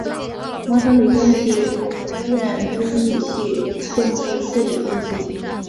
麻省理工学院经济系重视数理分析。